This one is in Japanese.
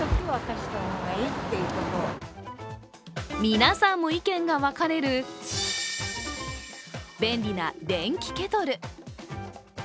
皆さんも意見が分かれる便利な電気ケトル。